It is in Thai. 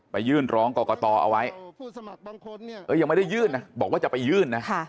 ยื่นร้องกรกตเอาไว้ยังไม่ได้ยื่นนะบอกว่าจะไปยื่นนะ